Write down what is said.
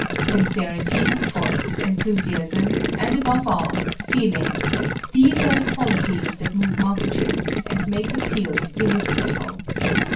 Sincerity, force, enthusiasm, and above all, feeling these are the qualities that move multitudes and make appeals irresistible.